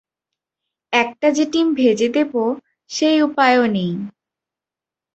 একটা যে টিম ভেজে দেব সে উপায়ও নেই।